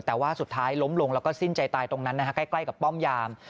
แต่ว่าสุดท้ายล้มลงแล้วก็สิ้นใจตายตรงนั้นนะฮะใกล้กับป้อมยาม